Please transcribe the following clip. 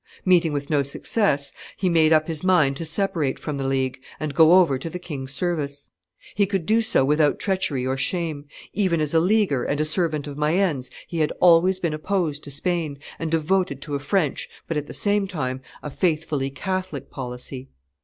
Meeting with no success, he made up his mind to separate from the League, and go over to the king's service. He could do so without treachery or shame; even as a Leaguer and a servant of Mayenne's he had always been opposed to Spain, and devoted to a French, but, at the same time, a faithfully Catholic policy.